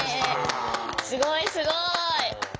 すごいすごい。